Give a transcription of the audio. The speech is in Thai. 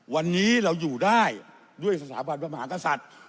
วันนี้เราอยู่ได้ด้วยสถาบันพระมหากษัตริย์